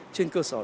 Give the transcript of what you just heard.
trên cơ sở này